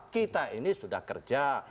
kita ini sudah kerja